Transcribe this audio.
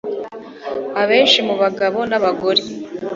Abenshi mu bagabo nabagore